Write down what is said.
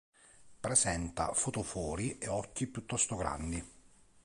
Presenta fotofori e occhi piuttosto grandi.